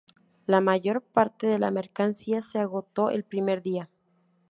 La mayor parte de la mercancía se agotó el primer día.